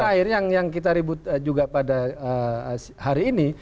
terakhir yang kita ribut juga pada hari ini